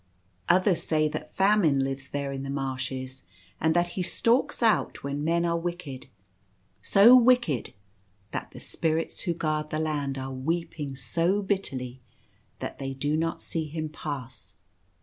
Others say that Famine lives there in the marshes, and that he stalks out when men are wicked — so wicked that the Spirits who guard the land are weeping so bitterly that they do not see him pass.